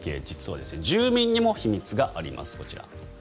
実は住民にも秘密があります。